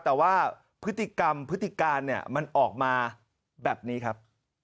แต่ว่าพฤติกรรมพฤติการเนี่ยมันออกมาแบบนี้ครับ